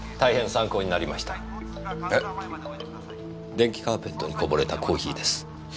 電気カーペットにこぼれたコーヒーです。